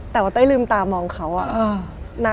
แต่ว่าเต้ยลืมตามองเขาอะ